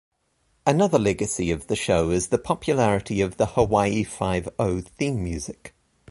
Another legacy of the show is the popularity of the "Hawaii Five-O" theme music.